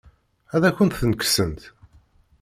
Ad akent-ten-kksent?